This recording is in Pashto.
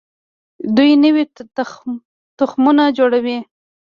دوی نوي تخمونه جوړوي.